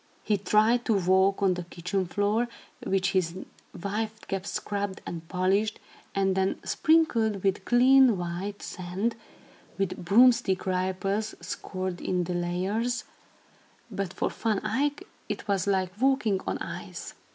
He tried to walk on the kitchen floor, which his wife kept scrubbed and polished, and then sprinkled with clean white sand, with broomstick ripples scored in the layers, but for Van Eyck it was like walking on ice.